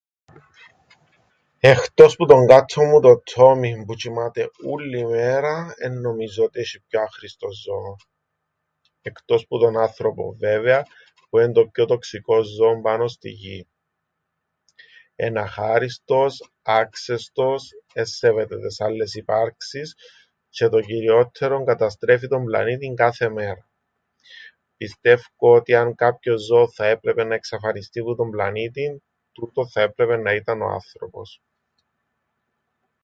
Εχτός που τον κάττον μου τον Ττόμην που τζ̆οιμάται ούλλη μέρα, εν νομίζω ότι έσ̆ει πιο άχρηστον ζώον, εκτός που τον άνθρωπον βέβαια που εν' το πιο τοξικόν ζώον πάνω στην Γην. Εν' αχάριστος, άξεστος, εν σέβεται τες άλλες υπάρξεις τζ̆αι το κυριόττερον καταστρέφει τον πλανήτην κάθε μέραν. Πιστεύκω ότι αν κάποιον ζώον θα έπρεπεν να εξαφανιστεί που τον πλανήτη, τούτον θα έπρεπεν να ήταν ο άνθρωπος.